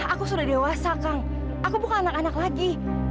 aku sudah dewasa kang aku bukan anak anak lagi